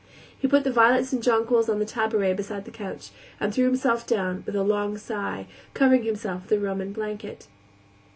He put the violets and jonquils on the taboret beside the couch, and threw himself down, with a long sigh, covering himself with a Roman blanket.